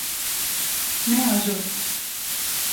Me ajot.